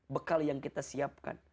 bekal yang kita siapkan